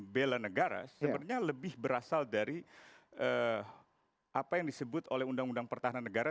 bela negara sebenarnya lebih berasal dari apa yang disebut oleh undang undang pertahanan negara